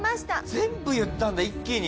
全部言ったんだ一気に。